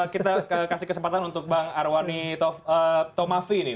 kita kasih kesempatan untuk bang arawani thomafi nih